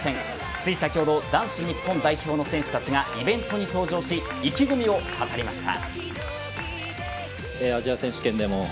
つい先ほど男子日本代表の選手たちがイベントに登場し意気込みを語りました。